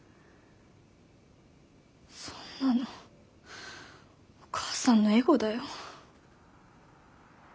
そんなのお母さんのエゴだよ。